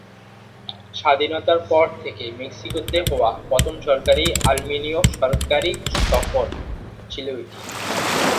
স্বাধীনতার পর থেকে মেক্সিকোতে হওয়া প্রথম সরকারি আর্মেনিয় সরকারি সফর ছিল এটি।